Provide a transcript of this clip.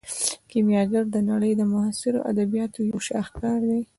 کیمیاګر د نړۍ د معاصرو ادبیاتو یو شاهکار دی.